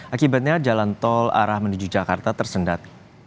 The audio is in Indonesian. akibatnya jalan tol arah menuju jakarta tersendat